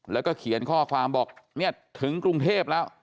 แล้วก็เขียนข้อความบอกเนี่ยถึงกรุงเทพแล้ว